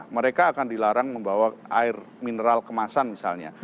mereka akan dilarang membawa air mineral kemasan misalnya